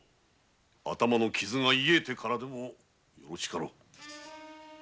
頭の傷が癒えてからでもよろしかろう。